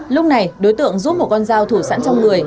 lúc này đối tượng giúp một con dao thủ sẵn trong người